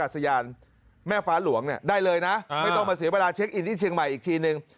สยานแม่ฟ้าหลวงได้เลยนะไม่ต้องมาเสียเวลาเช็คอินที่เชียงใหม่อีกทีนึง